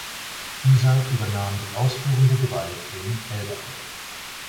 Dieser übernahm die ausführende Gewalt in Elberfeld.